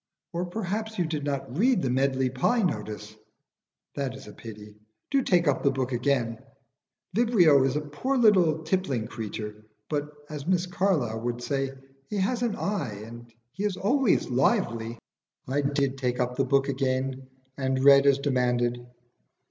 "Or perhaps you did not read the 'Medley Pie' notice? That is a pity. Do take up the book again. Vibrio is a poor little tippling creature, but, as Mr Carlyle would say, he has an eye, and he is always lively." I did take up the book again, and read as demanded.